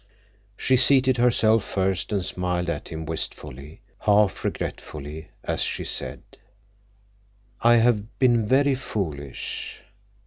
She seated herself first and smiled at him wistfully, half regretfully, as she said: "I have been very foolish.